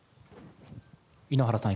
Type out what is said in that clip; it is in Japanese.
井ノ原さん